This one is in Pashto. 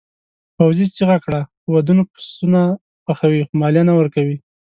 پوځي چیغه کړه په ودونو پسونه پخوئ خو مالیه نه ورکوئ.